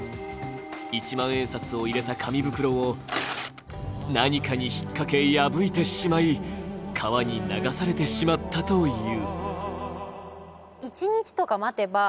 一万円札を入れた紙袋を何かに引っ掛け破いてしまい川に流されてしまったという。